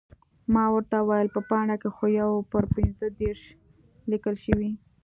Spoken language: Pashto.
ما ورته وویل، په پاڼه کې خو یو پر پنځه دېرش لیکل شوي.